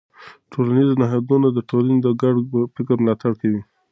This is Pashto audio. ټولنیز نهادونه د ټولنې د ګډ فکر ملاتړ کوي.